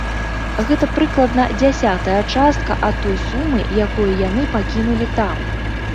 Гэта прыкладна дзясятая частка ад той сумы, якую яны пакінулі там.